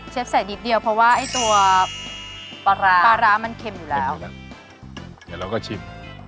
ใส่นิดเดียวเพราะว่าไอ้ตัวปลาร้าปลาร้ามันเค็มอยู่แล้วเดี๋ยวเราก็ชิม